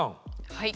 はい。